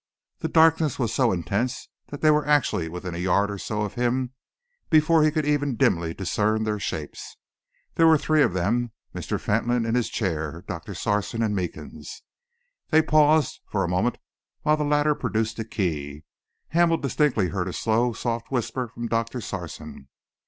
The darkness was so intense that they were actually within a yard or so of him before he could even dimly discern their shapes. There were three of them Mr. Fentolin in his chair, Doctor Sarson, and Meekins. They paused for a moment while the latter produced a key. Hamel distinctly heard a slow, soft whisper from Doctor Sarson.